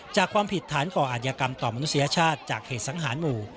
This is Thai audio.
จากความผิดฐานก่ออาจยากรรมต่อมนุษยชาติจากเหตุสังหารหมู่